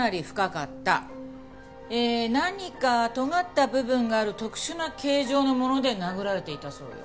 ええ何かとがった部分がある特殊な形状のもので殴られていたそうよ。